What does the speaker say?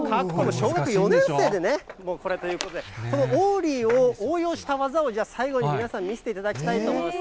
小学４年生でこれということで、このオーリーを応用した技をじゃあ、最後に皆さん、見せていただきたいと思います。